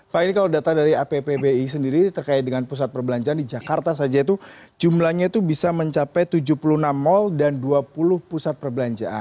pak ini kalau data dari appbi sendiri terkait dengan pusat perbelanjaan di jakarta saja itu jumlahnya itu bisa mencapai tujuh puluh enam mal dan dua puluh pusat perbelanjaan